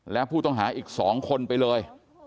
และผู้ต้องหาอีก๒คนไปเลย